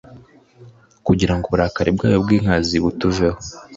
kugira ngo uburakari bwayo bw'inkazi butuveho